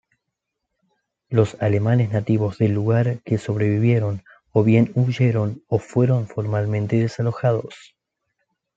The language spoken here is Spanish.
Los alemanes nativos del lugar que sobrevivieron, o bien huyeron o fueron formalmente desalojados.